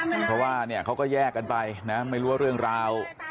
เพราะว่าเขาก็แยกกันไปนะไม่รู้เรื่องราว